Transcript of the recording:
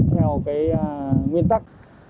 theo nguyên tắc